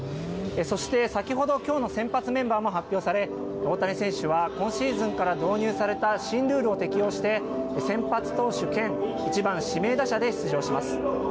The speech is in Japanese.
そして先ほど、きょうの先発メンバーも発表され、大谷選手は、今シーズンから導入された新ルールを適用して、先発投手兼１番指名打者で出場します。